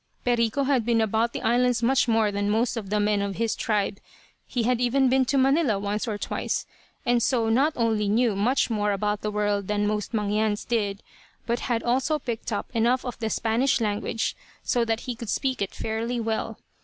"Perico had been about the islands much more than most of the men of his tribe. He had even been to Manila once or twice, and so not only knew much more about the world than most Mangyans did, but had also picked up enough of the Spanish language so that he could speak it fairly well.